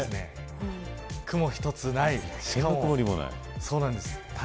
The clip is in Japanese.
雲一つない。